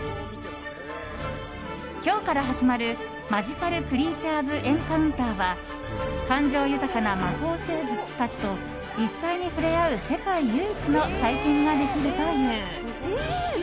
今日から始まるマジカル・クリーチャーズ・エンカウンターは感情豊かな魔法生物たちと実際に触れ合う世界唯一の体験ができるという。